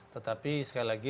tetapi sekali lagi